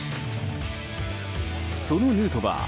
そのヌートバー